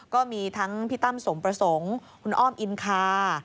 ก็มีทั้งพี่ตั้มสมประสงค์คุณอ้อมอินคา